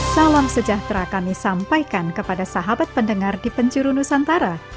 salam sejahtera kami sampaikan kepada sahabat pendengar di penjuru nusantara